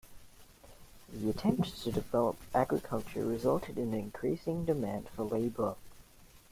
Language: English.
The attempt to develop agriculture resulted in an increasing demand for labour.